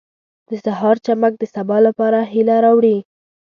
• د سهار چمک د سبا لپاره هیله راوړي.